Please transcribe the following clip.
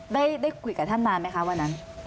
ได้คุยกับท่านนานไหมคะวันนั้น